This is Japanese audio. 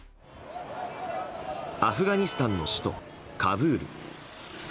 アフガニスタンの首都カブール。